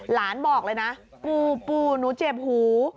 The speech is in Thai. หลานบอกเลยนะปูปูหนูเจ็บหู